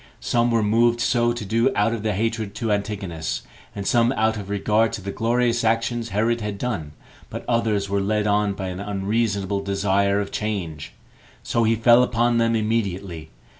Some were moved so to do out of their hatred to Antigonus, and some out of regard to the glorious actions Herod had done; but others were led on by an unreasonable desire of change; so he fell upon them immediately.